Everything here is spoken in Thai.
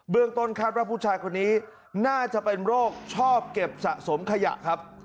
ต้นคาดว่าผู้ชายคนนี้น่าจะเป็นโรคชอบเก็บสะสมขยะครับ